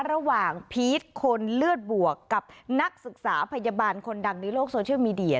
พีชคนเลือดบวกกับนักศึกษาพยาบาลคนดังในโลกโซเชียลมีเดีย